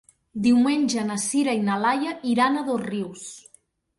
Diumenge na Sira i na Laia iran a Dosrius.